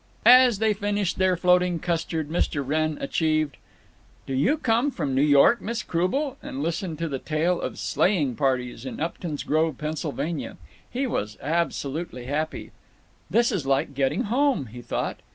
As they finished their floating custard Mr. Wrenn achieved, "Do you come from New York, Miss Croubel?" and listened to the tale of sleighing parties in Upton's Grove, Pennsylvania. He was absolutely happy. "This is like getting home," he thought.